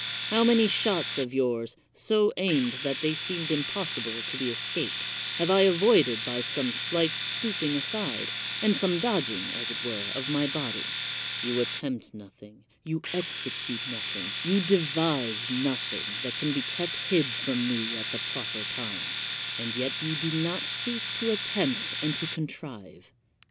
How many shots of yours, so aimed that they seemed impossible to be escaped, have I avoided by some slight stooping aside, and some dodging, as it were, of my body? You attempt nothing, you execute nothing, you devise nothing that can be kept hid from me at the proper time ; and yet you do not cease to attempt and to contrive.